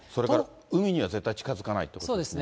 海には絶対近づかないということですね。